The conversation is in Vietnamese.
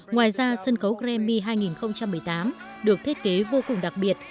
ngoài ra sân khấu grami hai nghìn một mươi tám được thiết kế vô cùng đặc biệt